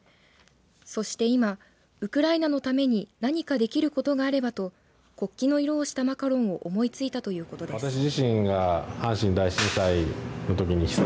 そして今、ウクライナのために何かできることがあればと国旗の色をしたマカロンを思いついたということです。